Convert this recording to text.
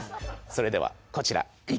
それではこちら。